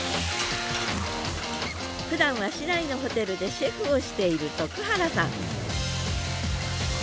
ふだんは市内のホテルでシェフをしている徳原さん